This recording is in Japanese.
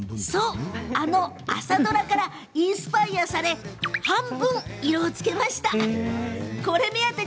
あの朝ドラからインスパイアされ半分、色をつけました。